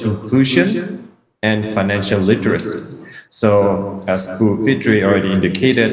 inklusi finansial dan literasi finansial jadi seperti yang sudah diindikasi ada